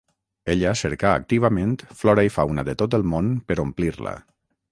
Ella cercà activament flora i fauna de tot el món per omplir-la.